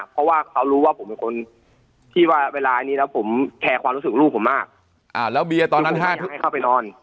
เพราะว่าเขารู้ว่าผมเป็นคนที่ว่าเวลาอันนี้แล้วผมแคร์ความรู้สึกลูกผมมากแล้วเบียร์ตอนนั้น๕ทุ่มให้เข้าไปนอน